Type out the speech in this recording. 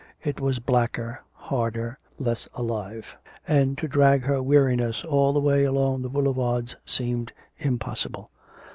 It was blacker, harder, less alive. And to drag her weariness all the way along the boulevards seemed impossible.